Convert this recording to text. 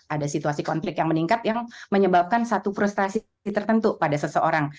ada situasi konflik yang meningkat yang menyebabkan satu frustasi tertentu pada seseorang